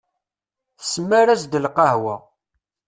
Tesmar-as-d lqahwa.